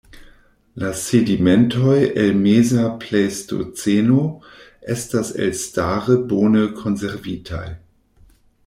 La sedimentoj el meza plejstoceno estas elstare bone konservitaj.